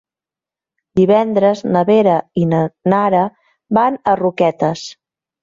Divendres na Vera i na Nara van a Roquetes.